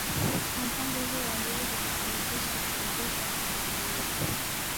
Kwa mpango huo aliweza kufanikisha kuanzishwa kwa Jumuiya